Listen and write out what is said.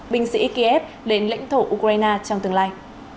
binh sĩ kiev đến lãnh thổ ukraine trong tương lai